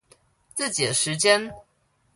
自己的時間